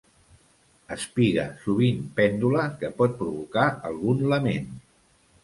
Espiga, sovint pèndula, que pot provocar algun lament.